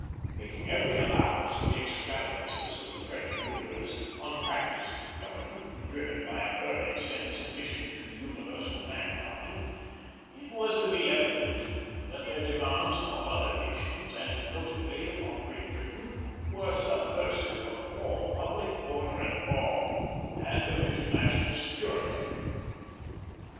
Making every allowance for the extravagances of the French rulers, unpractised in government and driven by a burning sense of mission to universal mankind, it was to me evident that their demands upon other nations, and notably upon Great Britain, were subversive of all public order and law, and of international security.